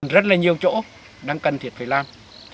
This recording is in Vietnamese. rất là nhiều chỗ đang cần thiệt phải làm